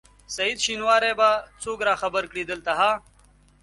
سعید شېنواری به څوک راخبر کړي دلته ها؟